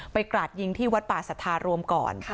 กราดยิงที่วัดป่าสัทธารวมก่อน